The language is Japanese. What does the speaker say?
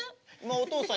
お父さん！